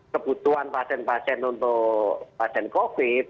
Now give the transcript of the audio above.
kebutuhan pasien pasien untuk pasien covid